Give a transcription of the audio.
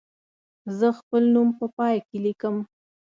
زه خپل نوم په پای کې لیکم.